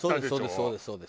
そうですそうです。